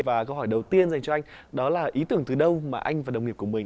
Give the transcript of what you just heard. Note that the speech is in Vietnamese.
và câu hỏi đầu tiên dành cho anh đó là ý tưởng từ đâu mà anh và đồng nghiệp của mình